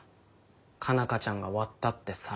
佳奈花ちゃんが割ったって皿。